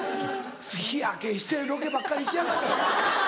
日焼けしてロケばっかり行きやがって。